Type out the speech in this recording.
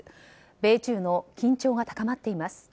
米中の緊張が高まっています。